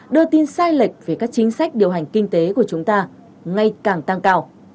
đưa tin sai lệch về các chính sách điều hành kinh tế của chúng ta ngay càng tăng cao